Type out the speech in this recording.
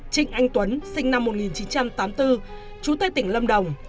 trinh anh tuấn sinh năm một nghìn chín trăm tám mươi bốn trú tại tỉnh lâm đồng